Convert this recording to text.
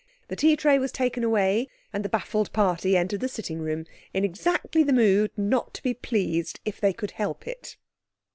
The tea tray was taken away, and the baffled party entered the sitting room, in exactly the mood not to be pleased if they could help it.